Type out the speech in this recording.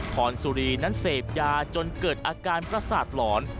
พรสุรีนั้นเสพยาจนเกิดอาการประสาทหลอน